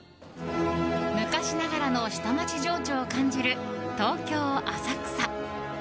昔ながらの下町情緒を感じる東京・浅草。